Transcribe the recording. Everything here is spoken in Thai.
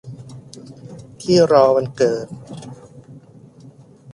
ที่รอวันเกิด